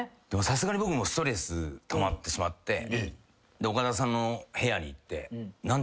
さすがに僕もストレスたまってしまって岡田さんの部屋に行って。